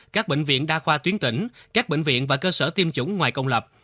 các bệnh viện đa khoa tuyến tỉnh các bệnh viện và cơ sở tiêm chủng ngoài công lập